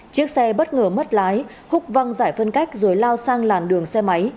chiếc xe bất ngờ mất lái húc văng giải phân cách rồi lao sang làn đường xe máy